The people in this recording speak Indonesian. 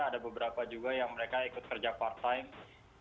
ada beberapa juga yang mereka ikut kerja part time